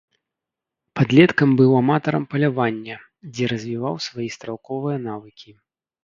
Падлеткам быў аматарам палявання, дзе развіваў свае стралковыя навыкі.